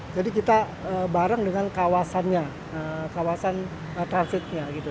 jadi kita bareng dengan kawasannya kawasan transitnya gitu